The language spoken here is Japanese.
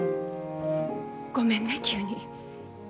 ごめんね急に。